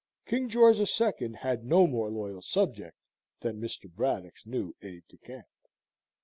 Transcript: King George II. had no more loyal subject than Mr. Braddock's new aide de camp.